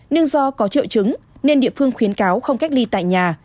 nhưng do có triệu chứng nên địa phương khuyến cáo không cách ly tại nhà